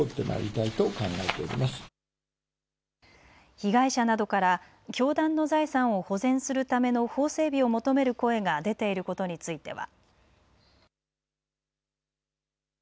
被害者などから教団の財産を保全するための法整備を求める声が出ていることについては。